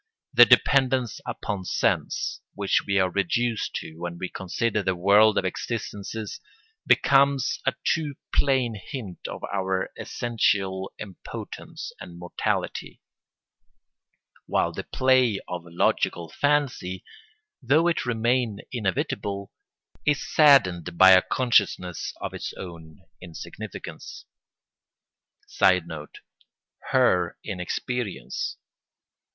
The dependence upon sense, which we are reduced to when we consider the world of existences, becomes a too plain hint of our essential impotence and mortality, while the play of logical fancy, though it remain inevitable, is saddened by a consciousness of its own insignificance. [Sidenote: Her inexperience.